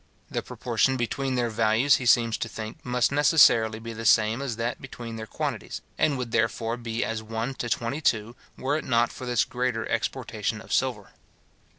The proportion between their values, he seems to think, must necessarily be the same as that between their quantities, and would therefore be as one to twenty two, were it not for this greater exportation of silver.